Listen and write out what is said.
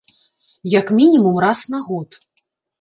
Як мінімум раз на год.